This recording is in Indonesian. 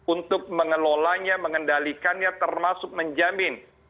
untuk mengelolanya mengendalikannya termasuk menjamin